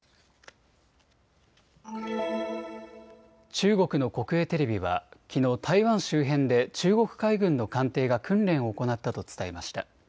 中国の国営テレビはきのう台湾周辺で中国海軍の艦艇が訓練を行ったと伝えました。